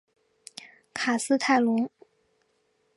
卡斯泰龙。